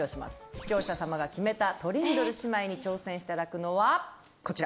視聴者さまが決めたトリンドル姉妹に挑戦していただくのはこちら。